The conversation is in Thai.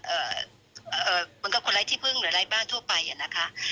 เอ่อเอ่อมันก็คนไร้ที่พึ่งหรือไร้บ้านทั่วไปอ่ะนะคะ